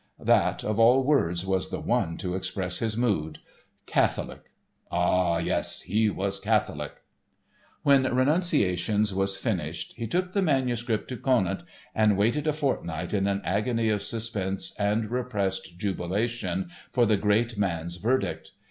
That, of all words, was the one to express his mood. Catholic, ah, yes, he was catholic! When "Renunciations" was finished he took the manuscript to Conant and waited a fortnight in an agony of suspense and repressed jubilation for the great man's verdict.